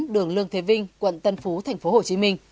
đường lương thế vinh quận tân phú thành phố hồ chí minh